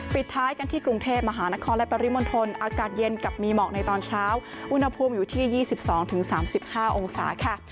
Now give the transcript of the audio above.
ปิดท้ายกันที่กรุงเทพมหานครและปริมณฑลอากาศเย็นกับมีหมอกในตอนเช้าอุณหภูมิอยู่ที่๒๒๓๕องศาค่ะ